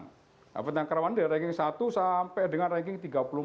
peta tentang kerawanan dari ranking satu sampai dengan ranking tiga puluh empat